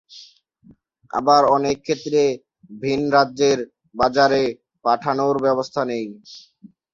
আবার অনেক ক্ষেত্রে ভিন রাজ্যের বাজারে পাঠানোর ব্যবস্থা নেই।